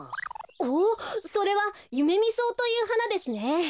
おっそれはユメミソウというはなですね。